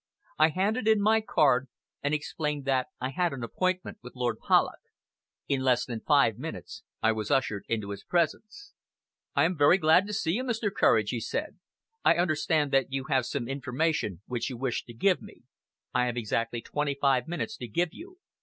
I handed in my card, and explained that I had an appointment with Lord Polloch. In less than five minutes I was ushered into his presence. "I am very glad to see you, Mr. Courage," he said. "I understand that you have some information which you wish to give me. I have exactly twenty five minutes to give you.